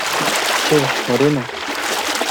¡ che, moreno!...